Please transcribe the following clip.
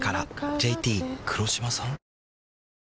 ＪＴ黒島さん？